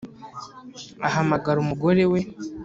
ahamagara umugore we